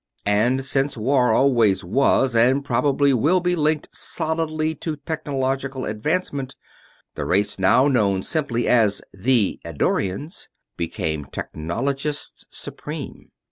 And, since war always was and probably always will be linked solidly to technological advancement, the race now known simply as "The Eddorians" became technologists supreme.